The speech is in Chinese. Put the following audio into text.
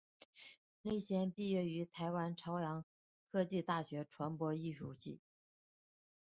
陈立谦毕业于台湾朝阳科技大学传播艺术系。